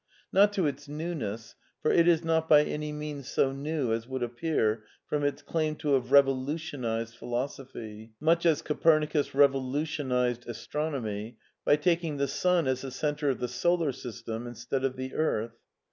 Not to its newness, for it is not by any means so new as would appear from its claim to have revolutionized Philosophy, much as Copernicus revolutionized astronomy, by taking the sun as the centre of the solar system instead of the earth.